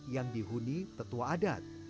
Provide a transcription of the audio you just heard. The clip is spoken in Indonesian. yang dihuni tetua adat